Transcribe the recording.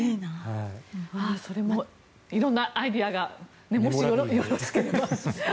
それも色んなアイデアがもしよろしければ。